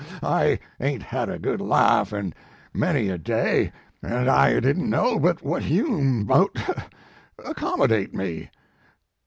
I ain t had a good laugh in many a day, and I didn t know but what you mout accommodate me."